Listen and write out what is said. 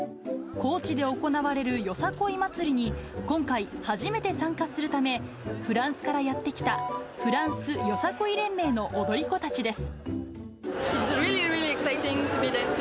高知で行われるよさこい祭りに、今回、初めて参加するため、フランスからやって来たフランスよさこい連盟の踊り子たちです。